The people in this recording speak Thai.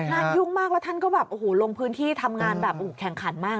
น่ายุ่งมากแล้วท่านก็ลงพื้นที่ทำงานแข็งขันมาก